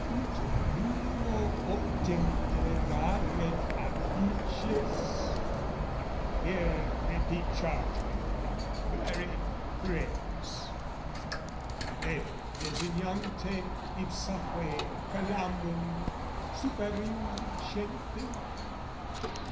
Ut viro obtemperaret, apices (Here repeat charge with proper varied phrase) Eo designante, ipsaque calamum Super inducente?